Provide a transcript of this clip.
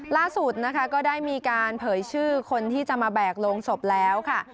ล่าสุดนะคะก็ได้มีการเผยชื่อคนที่จะมาแบกโรงศพแล้วค่ะ